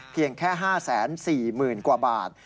เพียงแค่๕๔๐๐๐กว่าบาท